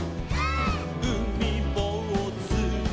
「うみぼうず」「」